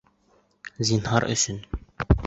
Зинһар өсөн...